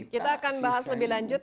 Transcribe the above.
kita akan bahas lebih lanjut